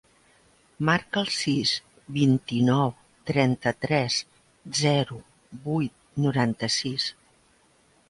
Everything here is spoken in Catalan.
Marca el sis, vint-i-nou, trenta-tres, zero, vuit, noranta-sis.